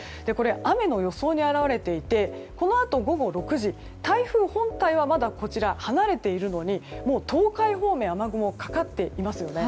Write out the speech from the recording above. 雨の予想に表れていてこのあと午後６時台風本体は、まだ離れているのに東海方面は雨雲がかかっていますよね。